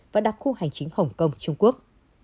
và đặc khu hành chính hồng kông trung quốc